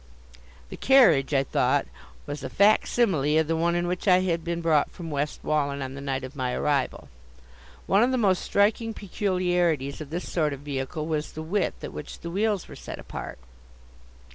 The carriage, I thought, was a fac simile of the one in which I had been brought from West Wallen on the night of my arrival. One of the most striking peculiarities of this sort of vehicle was the width at which the wheels were set apart.